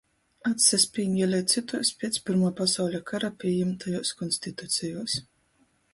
Atsaspīgelej cytuos piec Pyrmuo pasauļa kara pījimtajuos konstitucejuos